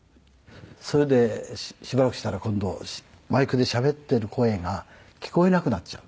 それでしばらくしたら今度マイクでしゃべっている声が聞こえなくなっちゃう。